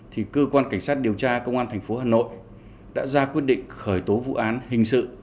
thì cơ quan cảnh sát điều tra công an thành phố hà nội đã ra quyết định khởi tố vụ án hình sự